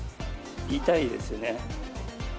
痛いですね。